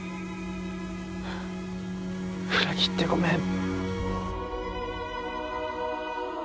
裏切ってごめん。